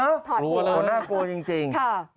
น่ากลัวจริง